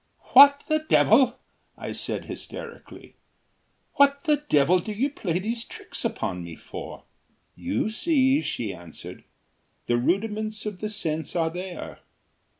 "What the devil," I said, hysterically "what the devil do you play these tricks upon me for?" "You see," she answered, "the rudiments of the sense are there."